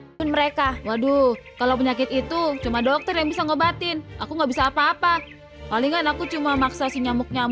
sampai jumpa di video selanjutnya